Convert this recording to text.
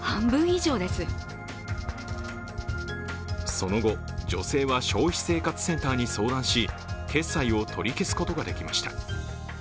その後、女性は消費生活センターに相談し決済を取り消すことができました。